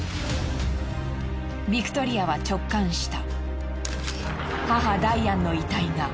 ビクトリアは直感した。